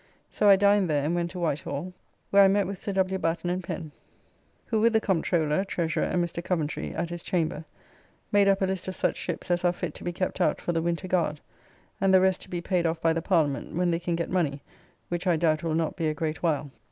So I dined there, and went to White Hall, where I met with Sir W. Batten and Pen, who with the Comptroller, Treasurer, and Mr. Coventry (at his chamber) made up a list of such ships as are fit to be kept out for the winter guard, and the rest to be paid off by the Parliament when they can get money, which I doubt will not be a great while.